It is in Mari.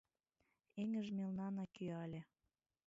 Эҥыж мелнана кӱяле.